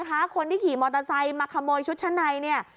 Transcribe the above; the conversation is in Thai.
คุณผู้ชายคนนี้ขี่มอเตอร์ไซค์มาขโมยชุดชั้นใน